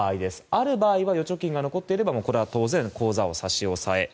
ある場合は預貯金が残って入ればこれは当然口座を差し押さえ。